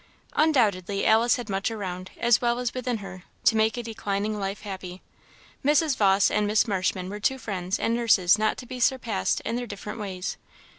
Undoubtedly Alice had much around, as well as within her, to make a declining life happy. Mrs. Vawse and Miss Marshman were two friends and nurses not to be surpassed in their different ways.